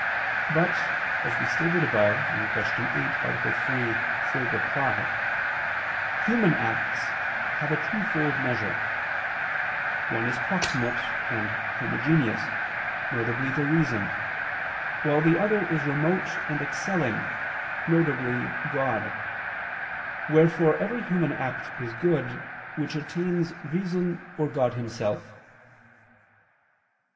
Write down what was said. But, as we stated above (Q. 8, A. 3, ad 3) human acts have a twofold measure; one is proximate and homogeneous, viz. the reason, while the other is remote and excelling, viz. God: wherefore every human act is good, which attains reason or God Himself.